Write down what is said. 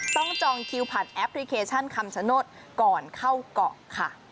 จองคิวผ่านแอปพลิเคชันคำชโนธก่อนเข้าเกาะค่ะ